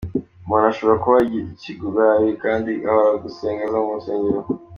Umuntu ashobora kuba ikigwari kandi ahora gusenga aza mu rusengero.